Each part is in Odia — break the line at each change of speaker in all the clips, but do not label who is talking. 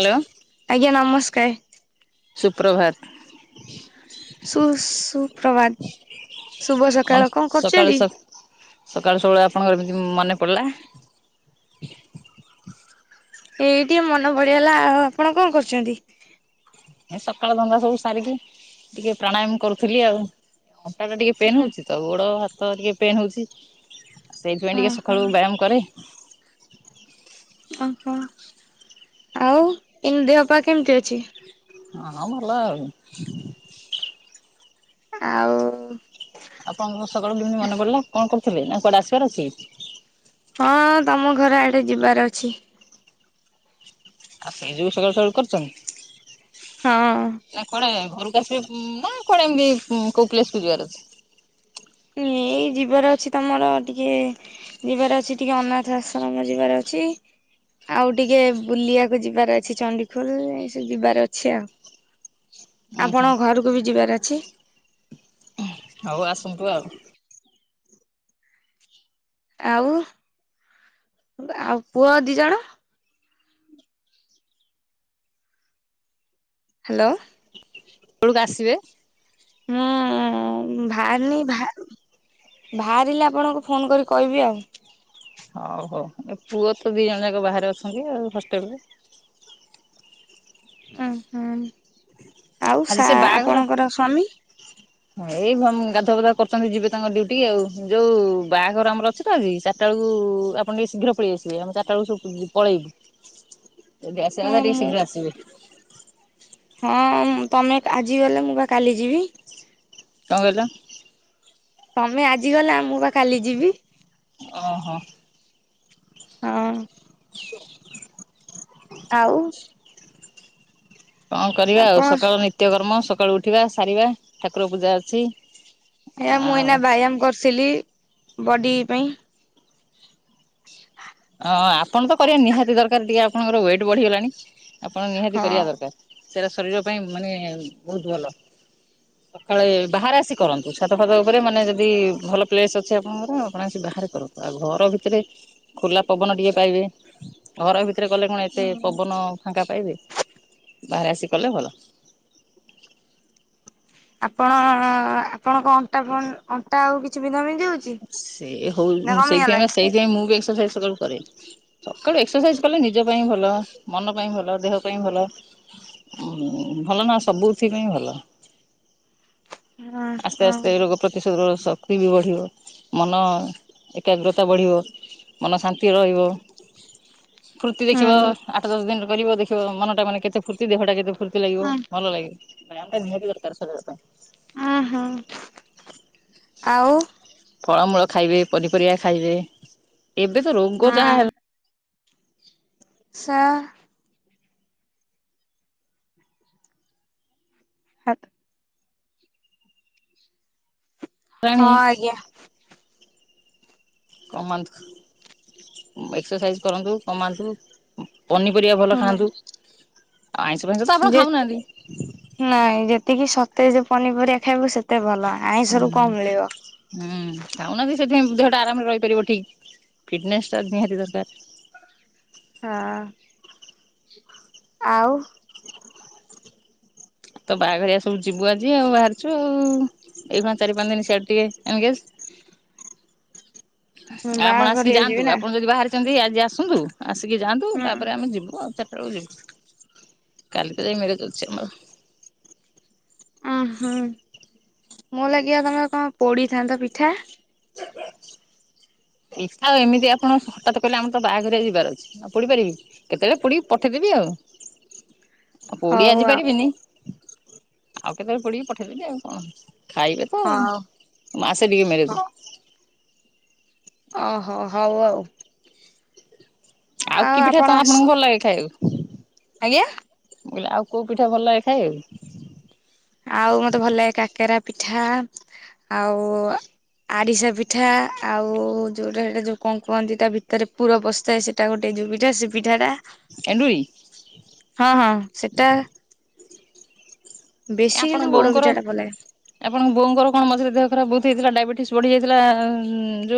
ହ୍ୟାଲୋ
ଆଜ୍ଞା ନମସ୍କାର। କଏଁ
ସୁପ୍ରଭାତ
ସୁ ସୁପ୍ରଭାତ ଶୁଭ ସକାଳ କଣ କରୁଛନ୍ତି।
ସକାଳୁ ସବୁଳେ ଆପଣଙ୍କର ଏମିତି ମନେ ପଡ଼ିଲା।
ଏଇ ଟିକେ ମନ ପଡ଼ିଗଲା ଆ ଆପଣ କଣ କରୁଛନ୍ତି।
ସକାଳ ଦଙ୍ଗା ସବୁ ସାରିକି ଟିକେ ପ୍ରାଣାୟାମ କରୁଥିଲି ଆଉ। ଏବେ ଟିକେ ପେନ୍
ଉଁ
ହଉଛି ତ ଗୋଡା ହାତ ତ ଟିକେ ପେନ୍ ହେଉଛି। ସେଇଥିପାଇଁ ଟିକେ
ଓହୋ
ସକାଳୁ ବ୍ୟାୟାମ କରେ [inaudible]
ଓହୋ ଆଉ ଏ ଦେହପା କେମିତି ଅଛି?
ହଁ ଭଲଆଉ।
ଆଉ
ଆପଣଙ୍କ ସକାଳୁ କେମିତି ମନେ ପଡିଲା କଣ କରୁଥିଲେ ନା କୁଆଡେ ଆସିବାର ଅଛି।
ହଁ ତମ ଘର ଆଡେ ଯିବାର ଅଛି।
ଆଉ ସେଇ ଯୋଗୁ ସକାୁଳୁ ସକାୁଳୁ କରୁଛନ୍ତି।
ହଁ।
ମା କଣ ଏମତି କୋଉ ପସକୁ ଯିବାର ଅଛି।
ଏଇ ଯିବାର ଅଛି ତମର ଟିକେ ଯିବାର ଅଛି ଟିକେ ଅନାଥ ଆଶ୍ରମ ଯିବାର ଅଛି ଆଉ ଟିକେ ବୁଲଆକୁ ଯିବାର ଅଛି ଚଣ୍ଡିଖୋଲ ଏ ସବୁ ଯିବାର ଅଛି ଆଉ
ଉୁଁ ହୁଁ
ଆପଣ ଘରକୁ ବି ଯିବାର ଅଛି
ହଉ ଆସନ୍ତୁ ଆଉ
ଆଉ ଆଉ ପୁଅ ଦି ଜଣ ହ୍ୟାଲୋ
ତଳକୁ ଆସିବେ
ହୁଁ ବାହାରିନି ବାହାରିଲେ ଆପଣଙ୍କୁ ଫୋନ କରି କହିବି ଆଉ
ହଉ ହଉ ଏ ପୁଅ ତ ଦିଇ ଜଣ ଯାକ ବାହାରେ ଅଛନ୍ତି ଆଉ ହଷ୍ଟେଲରେ
ଓ ହୋ ଆଉ
ଆଜି
ଆପଣଙ୍କର ସ୍ଵାମୀ
ଁ ଏଇ ଗାଧ ଫଧା କରୁଛନ୍ତି ଯିବେ ତାଙ୍କ ଡୁଟି ଆଉ ଯୋଉ ବାହାଘର ଆମର ଅଛି ତ ଆଜି ଚାରିଟା ବେଳକୁ ଆପଣ ଟିକେ ଶୀଘ୍ର ପଳେଇ ଆସିବେ ଆମେ ଚାରିା ବେଳକୁ ସବୁ ପଳେଇବୁ ଏି ଆସିବା କଥା ଟିକେ
ମୁଁ
ଶୀଘ୍ର ଆସିବେ
ହଁ ତମେ ଆଜି ଗଲେ ମୁଁ ବା କାଲି ଯିବି
କଣ କହିଲ
ତମେ ଆଜି ଗଲା ମୁଁ ବା କାଲି ଯିବି
ଓ ହୋ
ହଁ ଆଉ
କଣ କରିବା ଆଉ
ଆପଣ
ସକାଳ ନିତ୍ୟକର୍ମ ସକାଳୁ ଉଠିବା ସାରିବା ଠାକୁର ପୂଜା ଅଛି।
ହେ ମୁଁ
ଆଉ
ଏଇନା ବାୟାମ କରୁ। ସିଲି ବଡ଼ି ପାଇଁ। ହ।
ହଁ ଆପଣ ତ କରିବା ନିହାତି ଦରକାର ଟିକେ ଆପଣଙ୍କର ୱେଟ୍ ବଢିଗଲାଣି। ଆପଣ ନିହାତି
ହଁ।
କରିବା ଦରକାର। ସେଟା ଶରୀର ପାଇଁ ମାନେ ବହୁତ ଭଲ ସକାଳେ ବାହାରେ ଆସି କରନ୍ତୁ ଛାତ ଫାତ ଉପରେ ମାନେ ଯଦି ଭଲ ପ୍ଲେସ ଅଛି ଆପଣଙ୍କର ଆପଣ ଆସି ବାହାରେ କରନ୍ତୁ ଆଉ ଘର ଭିତରେ। ଖୋଲା ପବନ ଟିକେ ପାଇବେ ଘର ଭିତରେ। ସେଥିରେ କଲେ କଣ ଏତେ
ହୁଁ।
ପବନ ଫାଙ୍କା ପାଇବେ। ବାହାରେ ଆସି କଲେ ଭଲ।
ଆପଣ ଆପଣଙ୍କ ଅଣ୍ଟା ଅଣ୍ଟା ଆଉ ବିନ୍ଧା ବିନ୍ଧି ହଉଛି?
ସେ
ନା
ହଉ ସେଥିପାଇଁ
କମିଗଲାଣି?
ସେଇଥିପାଇଁ ମୁଁ ବି ଏକ୍ରସାଇଜ। ସୁାଇଜ କଲେ ନିଜ ଭଲ ମ ପାଇଁ ଭ ଦେ ଭ ଭଲ ସବୁଥିପ ଭଲ।
ହଁ
ଆସ୍ତେ
ହଁ
ଆସ୍ତେ ରୋଗ ପ୍ରତିଶୋଧ ର ଶକ୍ତି ବି ବଢ଼ିବ ମନ ଏକାଗ୍ରତା ବଢ଼ିବ ମନ ଶାନ୍ତି ରହିବ ଫୁର୍ତ୍ତି
ହୁଁ
ଦେଖିବ ଆଠ ଦଶ ଦିନ କରିବ ଦେଖିବ ମନଟା ମାନେ କେତେ ଫୁର୍ତ୍ତି ଦେହଟା କେତେ ଫୁର୍ତ୍ତି ଲାଗିବ ଭଲ ଲାଗେ ଭାଇ ଆମା ନିହାତି କରକାରାର ସ ରେ
ହଁ ହଁ ଆଉ
ଫଳମୂଳ ଖାଇବେ ପନିପରିବା ଖାଇବେ। ଏବେ ତ ରୋଗ ଯାହା ହେଲା।
ଶ ହାତ ହଁ
ହେଲାଣି
ଆଜ୍ଞା।
କମାନ୍ତୁ ଏକ୍ସରସାଇଜ କରନ୍ତୁ କମାନ୍ତୁ। ପନିପରିବା ଭଲ
ହୁଁ
ଖାଆନ୍ତୁ। ଆଉ ଆଇଁଷ ଫାଇଁଷ ତ ଆପଣ ଖାଉନାହାନ୍ତି।
ନାଇଁ ଯେତିକି ସତେ ଯେ ପନିପରିବା ଖାଇବୁ ସେତେ ଭଲ। ଆଇଁଷରୁ କଣ ମିଳିବ।
ହୁଁ ହୁଁ ଆ ବି ସେଥିପାଇଁ ଦେହଟା ଆରାମରେ ରହିପାରିବ ଠିକ ଫିଟନେସ୍ ଟା ନିହାତି ଦରକାର
ହଁ ଆଉ।
ଆଉ ତ ବାହାଘରଆ ସବୁ ଯିବୁ ଆଜି ଆଉ ବାହାରିଛୁ ଆଉ ଏଇଣ ଚାରି ପାଞ୍ଚ ଦିନ ସିଆଡ ଟିକେ ଏମ ଆସ ଆପଣ ଆସିକି
ବାହାଘରିଆ ଯିବି
ଯାଆନ୍ତୁ
ନା
ଆପଣ ଯଦି ବାହାରାରେ ତି ଆଜି ଆସନ୍ତୁ। ଆସିକି ଯାଆନ୍ତୁ
ହୁଁ
ତାପରେ ଆମେ ଯିବୁ ଆଉ ଚ ରିବ କାଲିକୁ ଯାଇ ମଛି ଆମର
ଓ ହୁଁ ମଁ ଲାଗିବ ତମର କଣ ପୋଡିଥାନ୍ତା ପିଠା
ଏଇଛା ଆଉ ଏମିତି ଆପଣ ହଠତ୍ କହିଲେ ଆମର ତ ବାହାଘରଆ ଯିବାର ଅଛି ଆଉ ପଡିପାରିବି କେତେବେଳେ ପଡି ପଠେଇଦେବି ଆଉ। ଆଉ ପୋଡି
ହଉ
ଆଜି
ଆଉ
ପାରିବିନି ଆଉ କେତେବେଳେ ପଡିକି ପଠେଇଦେବି ଆଉ କଣ? ଖାଇବେ ତ
ହଉ
ମାସେ ଟିକେ
ହଉ
ମେଳଦ
ଓହୋ ହଉ ଆଉ।
ଆଉ କି ପିଠା
ଆପଣ
ତମେ
ଆସ
ଆପଣଙ୍କୁ ଭଲ ଲାଗେ ଖାଇବ।
ଆଜ୍ଞା।
ମୁଁ କହିଲି ଆଉ କେଉଁ ପିଠା ଭଲ ଲେ ଖାଇ ଆଉ।
ଆଉ ମତେ ଭଲ ଲାଗେ କାକେରା ପିଠା ଆଉ ଆରିଶା ପିଠା ଆଉ ଯୋଉଟା ସେଟା ଯୋଉ କଣ କୁହନ୍ତି ତା ଭିତରେ ପୁର ବସ୍ଥାଏ ସେଟା ଗୋଟେ ଯୋଉ ପିଠା ସେ ପିଠା ଟା
ଏଣ୍ଡୁରି।
ହଁ ହଁ ସେଟା ବେଶୀ କିନ୍ତୁ
ଆପଣଙ୍କ
ପୋଡ
ବୋଉଙ୍କର
ପିଠା ଟା ଭଲ ଲାଗେ
ଆପଣଙ୍କ ବୋଉଙ୍କର କଣ ମଝରେ ଦେହ ଖରା ବହୁତ ହେଇଥିଲା ଡାଇବେଟିସ୍ ବଢିଯାଇଥିଲା।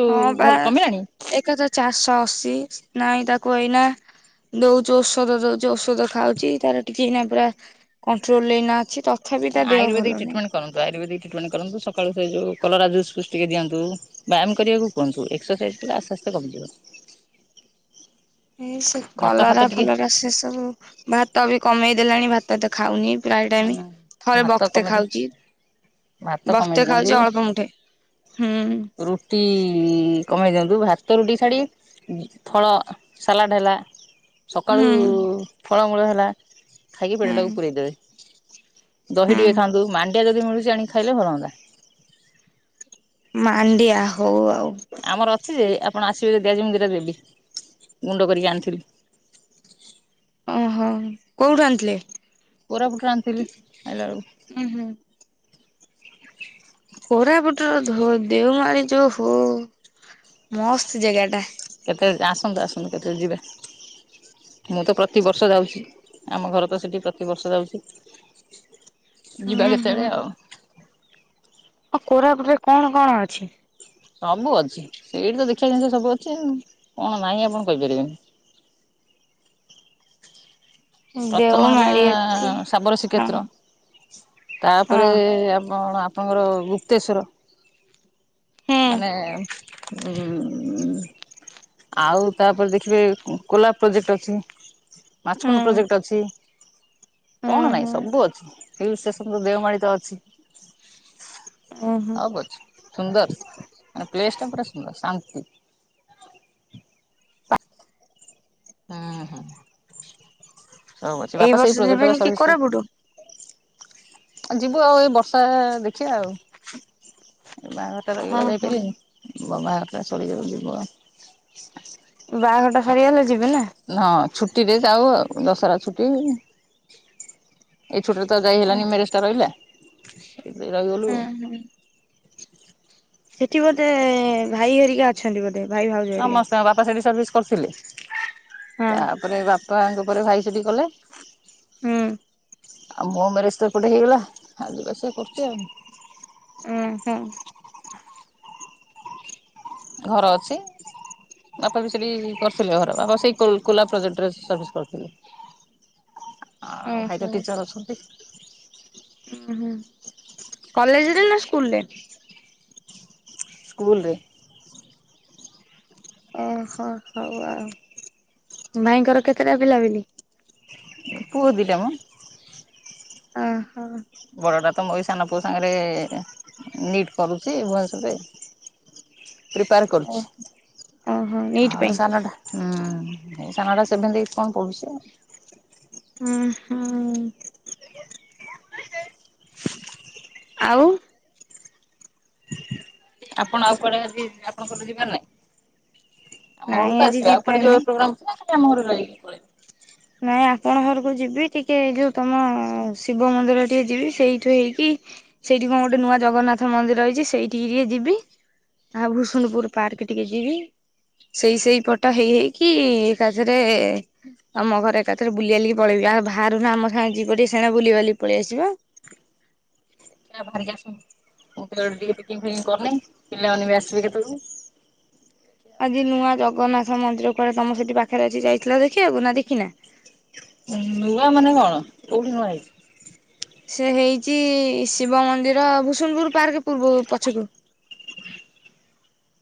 ହଁ ବା ଏକ ହଜାର ଚାରିଶହ ଅଶୀ ନାଇଁ ତାକୁ ଏଇନା ଦଉଛିୁ ଔଷଧ ଦଉଛି ଔଷଧ ଖାଉଛି ତାର ଟିକେଇ ପୁରା କଣ୍ଟ୍ରୋଲ ଅଛି। ତଥାପି ତା ଦେହ ଭଲ
ଆୟୁର୍ବେଦିକ
ନାହିଁ
ଟ୍ରଟମେଟ କରନ୍ତୁ ଆୟୁର୍ବେଦିକ ଟ୍ରଟମେଣ୍ଟ କରନ୍ତୁକାଳୁ ସେ ଯେଉ କଲରା ଜୁସ୍ ପୁଷ୍ଟ ଟିକେ ଦିଅନ୍ତୁ ବ୍ୟାୟାମ କରିବାକୁ କୁହନ୍ତୁ ଏକ୍ସରସାଇଜ୍ ତଲେ ଆସ୍ତେ ଆସ୍ତେ କମିଯିବ।
ଏଇ ସେ
ଭାତ ଫାତ
କଲରା
ଟିକେ
ଭଲରା ସେ ସବୁ ଭାତ ବି କମେଇ ଦେଲାଣି ଭାତ ତ ଖାଉନି। ପ୍ରାଏ ଟାଇମ୍
ହୁଁ
ଥରେ
ଭାତ
ବକ୍ତେ
କମେଇ
ଖାଉଚି
ଭାତ କମେଇ
ବକ୍ତେ
ଦିଅନ୍ତୁ
ଖାଉଚି ଅଳପ ମୁଠେ ହୁଁ।
କି କମେଇ ଦିଅନ୍ତୁ ଭାତ ରୁଟି ଛାଡିକି ଫଳ ସାଲାଡ଼ ହେଲା। ସକାଳୁ
ହୁଁ
ଫଳମୂଳ ହେ ଲା। ଖାଇକି
ହୁଁ
ପେଟାକୁ ପୁରରେଇଦେବେ। ହ ଦହି ଟିକେ
ହୁଁ
ଖାଆନ୍ତୁ ମା ଡିଆ ଯଦି ମୁଳୁଚି ଆଣିକି ଖାଇଲେ ଭଲ ହୁଅନ୍ତା।
ମାଣ୍ଡିିଆ ହଉ ଆଉ।
ଆମର ଅଛି ଯେ ଆପଣ ଆସିବେ ଯଦି ଆଜି ମୁଁ ଦିଟା ଦେବି ଗୁଣ୍ଡ କରିକି ଆଣିଥିଲି।
ଓହୋ କୋଉଠୁ ଆଣିଥିଲେ?
କୋରାପୁଟ ରୁ ଆଣିଥିଲି ଆଇଲାବେଳକୁ।
ଉଁ ହୁଁ କୋରାପୁଟର ଧୋ ଦେଓମାଳି ଯୋଉ ହୋ ମସ୍ତ ଜେଗା ଟା।
[unintelligible] ଆସନ୍ତୁ ଆସନ୍ତୁ କେତେବେଳେ ଯିବା ମୁଁ ତ ପ୍ରତିବର୍ଷ ଯାଉଛି ଆମ ଘର ତ ସେଠି ପ୍ରତିବର୍ଷ ଯାଉଛି। ଯିବା
ହୁଁ
କେତେବେଳେ ଆଉ?
ଆ କୋରାପୁଟରେ କଣ କଣ ଅଛି?
ସବୁ ଅଛି ସେଇଠି ତ ଦେଖିବା ଜିନିଷ ସବୁ ଅଛି କଣ ନାହିଁ ଆପଣ କହିପାରିବେନି। ପ୍ରଥମ ହେଲା
ଦେଓମାଳି ଅଛି
ଶାବର
ହଁ
ଶ୍ରୀକ୍ଷେତ୍ର
ହଁ
ତାପରେ ଆପଣ ଆପଣଙ୍କ ଗୁପ୍ତେଶ୍ୱର।
ହୁଁ
ଆଉ ତାପରେ ଦେଖିବେ କୋଲା ପ୍ରୋଜେକ୍ଟ ଅଛି। ମାଛ କୁଣ୍ଡ
ହୁଁ।
ପ୍ରୋଜେକ୍ଟ ଅଛି।
ଉଁ
କଣ ନାଇଁ
ହୁଁ
ସବୁ ଅଛି। [unintelligible] ଷ୍ଟେସନ ତ ଦେଓମାଳି ତ ଅଛି।
ଓ ହୋ।
ସବୁ ଅଛି ସୁନ୍ଦର । ପ୍ଲେସ୍ ଟା ପୁରା ସୁନ୍ଦର ଶାନ୍ତି। ହୁଁ ହୁଁ। ହଉ ଅଛି
ଏଇ
ବାପା ସେଇ
ବର୍ଷ ଯିବେନି କି କୋରାପୁଟ?
ଆଉ ଯିବୁ ଆଉ ଏଇ ବର୍ଷା ଦେଖିଆ ଆଉ। ବାହାଘର ଟା ରହିଗଲା
ଓହୋ
ଯାଇପାରିଲିନି [unintelligible] ସରିଯାଉ ଯିବ।
ବାହାଘରଟା ସରିଗଲା
ହଁ ଛୁଟି ରେ ଯାଉ ଆଉ। ଦଶହରା ଛୁଟି। ଏଇଛୁଟି ରେ ତ ଯାଇ ହେଲାନି
ଉଁ
ମ୍ୟାରେଜ ଟା ରହିଲା। ଏବେ ଯାଇ ଗଲୁ
ହୁଁ। ସେଠି ବୋଧେ ଭାଇ ହେରି କା ଅଛନ୍ତି ବୋଧେ ।
ସମସ୍ତେ ବାପ ସେଠି ସରଭିସ । କରିଥିଲେ ।
ହଁ
ତାପରେ ବାପାଙ୍କ । ପରେ ଭାଇ ସେଟି କଲା ।
ହୁଁ ।
ଆଉ ମୋ ମ୍ୟରିଜ ତ ଏପଟେ ହେଇଗଲା ଆ ଜିିବା ଆସିବା କରୁଛି ଆଉ ।
ଉଁ ହୁଁ ।
ଘର ଅଛି ବାପା ବି ସେଇଠି କରିଥିଲେ ଘର ବାପା ସେଇ କୋଲା ପ୍ରୋଜେକ୍ଟରେ ସର୍ଭିସ୍ କରିଥିଲେ । ଆଉ ଭାଇ
ଓହୋ।
ତ ଟିଚର ଅଛନ୍ତି ।
ଉଁ ହୁଁ କଲେଜରେ ନା ଷ୍କୁ କୁଲ୍ ରେ ।
ସ୍କୁଲରେ ।
ଓହୋ ହଉ ଆଉ ଭାଇଙ୍କର କେତେଟା ପିଲାପିଲି ।
ପୁଅ ଦି ଟା ମ ।
ଅ ହଁ।
ବଡ଼ଟା ତ ମୋର ସାନ ପୁଅ ସାଙ୍ଗରେ ନିଟ୍ କରୁଛି ଭୂଏନଶ୍ୱରରେ । ପ୍ରିପେୟାର
ଓହୋ
କରୁଛି
ଏଇଥି ପାଇଁ
ଆଉ ସାନଟା । ସାନ ଟା ସେଭେନ ଏଇଟଥ କଣ ପଢୁଛି ଆଉ ।
ହୁଁ ହୁଁ । ଆଉ ।
ଆପଣ ଆଉ କୁଆଡେ ଆଜି ଆପଣ ଙ୍କର ଯିବାର ନାଇଁ । ଆମ ଘର
ନାଇଁ
କୁ ତ
ଆଜି
ଆସିବେ ଆଉ କଆଡେ
ନାଇଁ
ଯିବାର ପ୍ରୋଗ୍ରାମ ଅଛି ନା । ତମ ଘରେ ଟଇକି ପଳେଇବି ।
ଆପଣଙ୍କ ଘରକୁ ଯିବି ଟିକେ ଯୋଉ ତମ ଶିବ ମନ୍ଦିର ଟିକେ ଯିବି ସେଇଠୁ ହେଇକି ସେଇଠି କଣ ଗୋଟେ ନୂଆ ଜଗନ୍ନାଥ ମନ୍ଦିର ହେଇଛି ସେଇଠିକି ଟିକେ ଯିବି ଆ ଭୂଷୁଣପୁର ପାର୍କ ଟିକେ ଯିବି ସେଇ ସେଇ ପଟ ହେଇ ହେଇକି ଏକା ଥରେ । ତମ ଘରେ ଏକାଥରେ ବୁଲିିବାଲିକି ପଳେଇବି ଆଉ ଭାରୁନ ଆମ ସାଙ୍ଗେ ଯିବ ଟିକେ ସେନେ ବୁଲି ବାଲିକି ପଳେଇଆସିବ ।
ଦେଖିବା ଭାରି କି ଆସନ୍ତୁ ମୁଁ ଫରେ ଟିକେ ପେକିଙ୍ଗ ଫେକିଙ୍ଗ କରନି ପିଲାମାନେ ବି ଆସିବେ କେତେ ବେଳୁକୁ ।
ଆଜି ନୂଆ ଜଗନ୍ନାଥ ମନ୍ଦିର କୁଆଡେ । ତମ ସେଠି ପାଖରେ ଅଛି ଯାଇଥିଲ ଦେଖିବାକୁ ନା ଦେଖିିନା ।
ଉଁ ନୂଆ ମାନେ କଣ କୋଉଠି ନୂଆ ହେଇଚି ।
ସେ ହେଇଛି ଶିବ ମନ୍ଦିର ଭୂସୁଣପୁର ପାର୍କ ପୂର୍ବ ପଛକୁ ।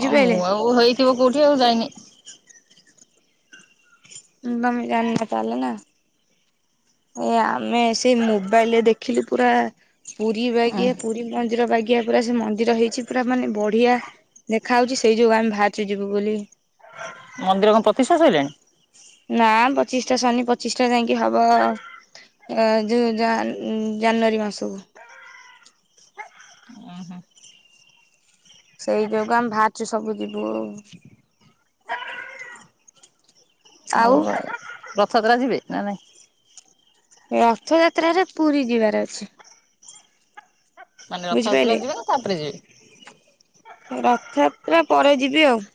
ହଁ ମୁଁ ଆଉ ହେଇଥିବ କୋଉଠି । କି ଆଉ ଯାଇନି ।
ତମ ଜାନିନ ତାହେଲେ ନା । ଏ ଆମେ ସେଇ ମୋବାଇଲରେ ଦେଖିଲୁ ପୁରା । ପୁରୀ
ହୁଁ
ବାଗିଆ ପୁରୀ ମନ୍ଦିର ବାଗିଆ । ପୁରା ସେ ମନ୍ଦିର ହେଇଛି ପୁରା ମାନେ ବଢିଆ ଦେଖା ହଉଛି ସେଇ ଯୋଗୁ ଆମେ ବାହାରିଚୁ ଯିବୁ ବୋଲି।
ମନ୍ଦିର କଣ ପ୍ରତିଷ୍ଠା ସଇଲାଣି।
ନା ପଚିଶଟା ଶନି ପଚିଶ ଟା ଯାଇକି ହବଉ ଜାନୁଆରୀ ମାସକୁ। [inaudible] ସେଇ ଯୋଗୁ ଆମେ ବାହାରିଛୁ ସବୁ ଯିବୁ ଆଉ। [inaudible] ଆଉ
[unintelligible] ଯିବେ ନା ନାଇଁ।
ରଥଯାତ୍ରାରେ ପୁରୀ ଯିବାର ଅଛି। [inaudible]
ମାନେ ରଥଯାତ୍ରା
ବୁଝିପାରିଲେ
ଯିବେ ନା ତାପରେ ଯିବେ। [inaudible]
ରଥଯାତ୍ରା ପରେ ଯିବି ଆଉ। [inaudible]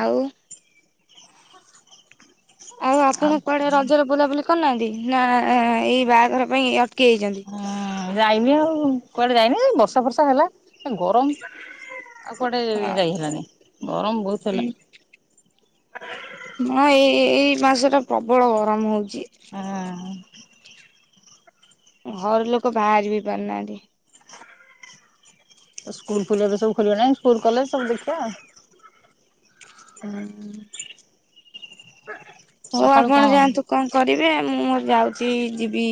ଆଉ [inaudible] ଆଉ ଆପଣ କୁଆଡ଼େ ରଜରେ ବୁଲାବୁଲି କରିନାହାନ୍ତି। ନାଁ ଏଇ ବାହାଘର ପାଇଁ ଅଟକି ଯଇଛନ୍ତି।
ହଁ ଯାଇନି ଆଉ କୁଆଡ଼େ ଯାଇନି ବର୍ଷା ଫର୍ଷା ହେଲା ଗରମ। ଆଉ କୁଆଡ଼େ
ହଁ
ଯାଇ ହେଲାନି ଗରମ ବହୁତ ହେଲା।
ହଁ ଏଇ ଏଇ ମାସ ଟା ପ୍ରବଳ ଗରମ ହଉଛି।
ହଁ
ଘର ଲୋକ ବାହାରି ବି ପାରୁନାହାନ୍ତି।
ସ୍କୁଲ୍ ଖୋଲିଲେ ସବୁ ଖୋଲିବ ନାହିଁ। ସ୍କୁଲ କଲେଜ ସବୁ ଦେଖିବା।
ହୁଁ। ହଉ
ସକାଳୁ କଣ
ଆପଣ ଯାଆନ୍ତୁ କଣ କରିବେ। ମୁଁ ଯାଉଛି ଯିବି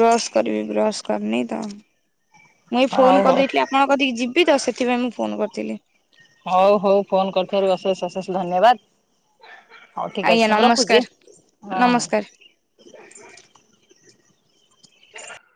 ବ୍ରଶ୍ କରିବି ବ୍ରଶ୍ କରିନି ତ। ମୁଁ ଏଇ
ହଉ
ଫୋନ
ହଉ
କରିଦେଇଥିଲି ଆପଣ କତିିକି ଯି ବି ତ ସେଥିପାଇଁ ମୁଁ ଫୋନ କରିଥିଲି।
ହଉ ହଉ ଫୋନ କରିଥିବାରୁ ଅଶେଷ ଅଶେଷ ଧନ୍ୟବାଦ। ହଉ ଠିକ
ଆଜ୍ଞା
ଅଛି ମୁଁ ରଖୁଛି
ନମସ୍କାର
ଅହ।
ନମସ୍କାର। [inaudible]